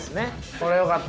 これよかった。